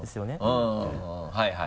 うんうんはいはい。